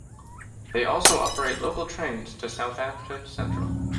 They also operate local trains to Southampton Central.